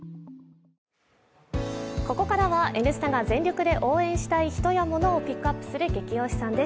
ここからは「Ｎスタ」が全力で応援したい人や物をピックアッするゲキ推しさんです。